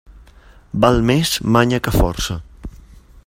Val més manya que força.